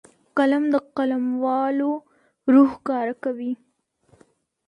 قلم د قلموالو روح ښکاره کوي